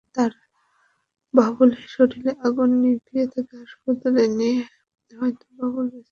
তাঁরা বাবুলের শরীরের আগুন নিভিয়ে তাঁকে হাসপাতালে নিলে হয়তো বাবুল বেঁচে যেতেন।